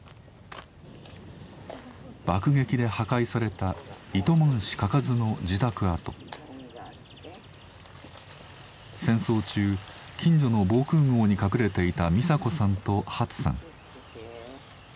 爆撃で破壊された戦争中近所の防空壕に隠れていたミサ子さんとハツさん。